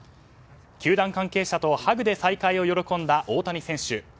球団関係者とハグで再会を喜んだ大谷選手。